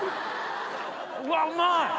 うわうまい！